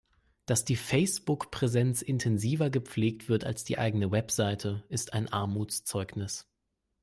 Dass die Facebook-Präsenz intensiver gepflegt wird als die eigene Website, ist ein Armutszeugnis.